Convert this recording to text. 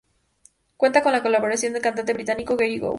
Cuenta con la colaboración del cantante británico Gary Go.